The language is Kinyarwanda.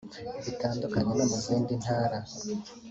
Bitandukanye no mu zindi Ntara